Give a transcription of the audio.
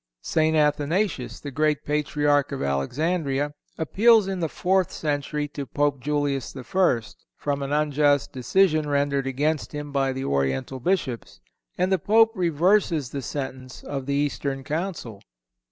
St. Athanasius, the great patriarch of Alexandria, appeals in the fourth century to Pope Julius I. from an unjust decision rendered against him by the Oriental Bishops, and the Pope(168) reverses the sentence of the Eastern Council.